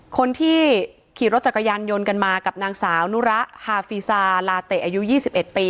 คนที่ขี่รถจักรยานยนต์กันมากับนางสาวนุระฮาฟีซาลาเตะอายุ๒๑ปี